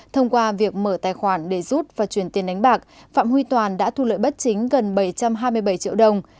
thông qua việc mở tài khoản để rút và chuyển tiền đánh bạc phạm huy toàn đã thu lợi bất chính gần bảy trăm hai mươi bảy triệu đồng